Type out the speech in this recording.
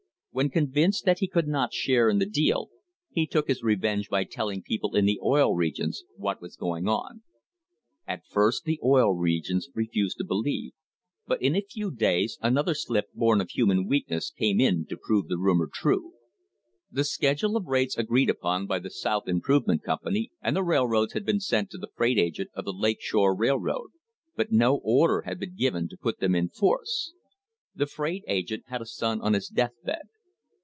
When convinced that he could not share in the deal, he took his revenge by telling people in the Oil Re gions what was going on. At first the Oil Regions refused to believe, but in a few days another slip born of human weakness came in to prove the rumour true. The schedule of rates agreed upon by the South Improvement Company and the railroads had been sent to the freight agent of the Lake Shore Rail road, but no order had been given to put them in force. The freight agent had a son on his death bed.